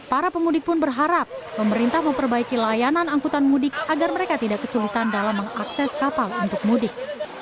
para pemudik pun berharap pemerintah memperbaiki layanan angkutan mudik agar mereka tidak kesulitan dalam mengakses kapal untuk mudik